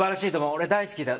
俺、大好きだ。